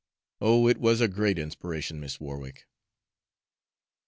Oh, it was a great inspiration, Miss Warwick!"